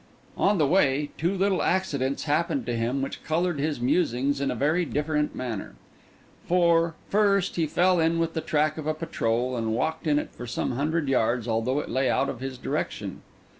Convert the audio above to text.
On the way, two little accidents happened to him which coloured his musings in a very different manner. For, first, he fell in with the track of a patrol, and walked in it for some hundred yards, although it lay out of his direction.